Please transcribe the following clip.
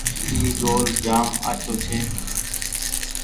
اي گوُل جآم آڇوٚنٚ ڇي